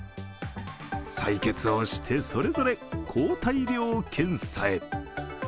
採血をしてそれぞれ抗体量検査へ。